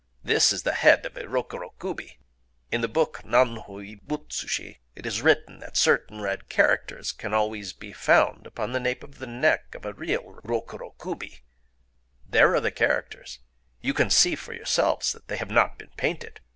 This is the head of a Rokuro Kubi. In the book Nan hō ï butsu shi it is written that certain red characters can always be found upon the nape of the neck of a real Rokuro Kubi. There are the characters: you can see for yourselves that they have not been painted.